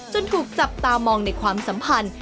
ถูกจับตามองในความสัมพันธ์